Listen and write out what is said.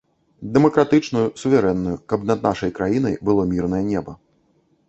Дэмакратычную, суверэнную, каб над нашай краінай было мірнае неба.